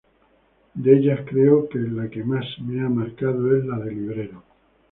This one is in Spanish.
De ellas, creo que la que más me ha marcado es la de librero.